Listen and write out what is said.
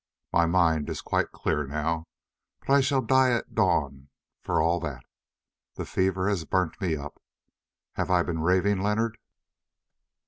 My mind is quite clear now, but I shall die at dawn for all that. The fever has burnt me up! Have I been raving, Leonard?"